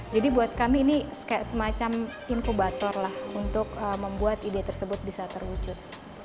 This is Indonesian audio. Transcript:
jadi buat kami ini semacam inkubator untuk membuat ide tersebut bisa terwujud